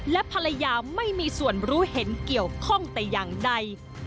และภรรยาไม่มีส่วนรู้เห็นเกี่ยวข้องแต่อย่างใด